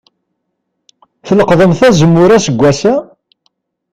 Tleqḍemt azemmur aseggas-a?